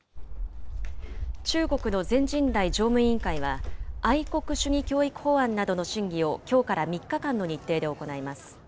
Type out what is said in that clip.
中国の全人代常務委員会は、愛国主義教育法案などの審議をきょうから３日間の日程で行います。